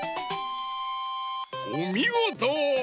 おみごと！